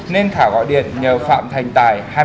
nên thảo gọi điện nhờ phạm thành tài